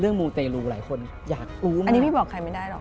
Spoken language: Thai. มูเตรลูหลายคนอยากรู้อันนี้พี่บอกใครไม่ได้หรอก